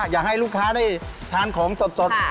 อยากให้ลูกค้าได้ทานของสด